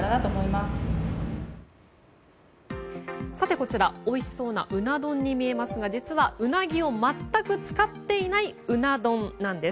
こちら、おいしそうなうな丼に見えますが実は、ウナギを全く使っていないうな丼なんです。